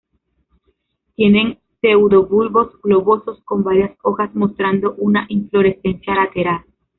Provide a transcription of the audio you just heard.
Tienen pseudobulbos globosos con varias hojas mostrando una inflorescencia lateral.